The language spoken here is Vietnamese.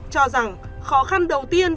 cho rằng khó khăn đầu tiên